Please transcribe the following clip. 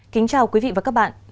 kính chào quý vị và các bạn